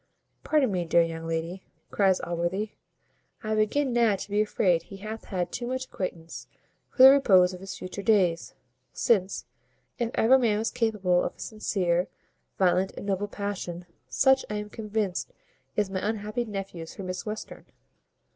"Pardon me, dear young lady," cries Allworthy, "I begin now to be afraid he hath had too much acquaintance for the repose of his future days; since, if ever man was capable of a sincere, violent, and noble passion, such, I am convinced, is my unhappy nephew's for Miss Western."